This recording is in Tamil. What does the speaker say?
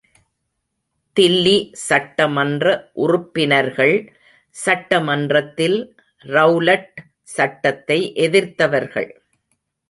தில்லி சட்டமன்ற உறுப்பினர்கள், சட்ட மன்றத்தில் ரெளலட் சட்டத்தை எதிர்த்தவர்கள்.